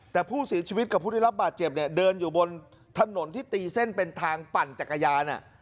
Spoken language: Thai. แต่ผู้เสียชีวิตกับผู้ได้รับบาดเจ็บเนี่ยเดินอยู่บนถนนที่ตีเส้นเป็นทางปั่นจักรยาน